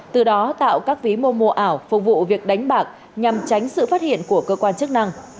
từ đó tạo các ví momo ảo phục vụ việc đánh bạc nhằm tránh sự phát hiện của cơ quan chức năng